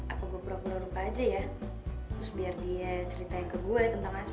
apa gue berurut urut aja ya terus biar dia ceritain ke gue tentang asma